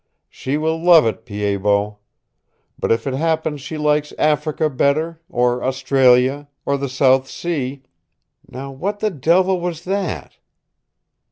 She will love it, Pied Bot. But if it happens she likes Africa better, or Australia, or the South Sea Now, what the devil was that?"